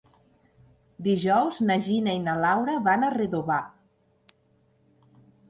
Dijous na Gina i na Laura van a Redovà.